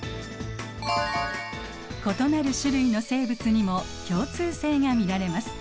異なる種類の生物にも共通性が見られます。